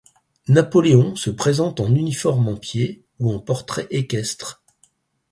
Napoléon se présente en uniforme en pied ou en portrait équestre.